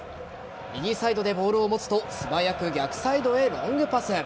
右サイドでボールを持つと素早く逆サイドへロングパス。